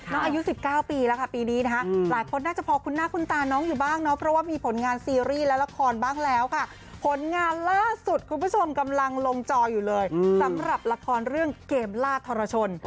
อายุ๑๙ปีแล้วค่ะปีนี้นะคะหลายคนน่าจะพอคุ้นหน้าคุ้นตาน้องอยู่บ้างเนาะเพราะว่ามีผลงานซีรีส์และละครบ้างแล้วค่ะผลงานล่าสุดคุณผู้ชมกำลังลงจออยู่เลยสำหรับละครเรื่องเกมล่าทรชน